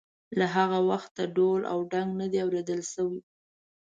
له هغه وخته راهیسې ډول او ډنګ نه دی اورېدل شوی.